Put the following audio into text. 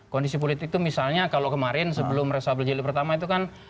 kondisi politik itu misalnya kalau kemarin sebelum resabel jeli pertama itu kan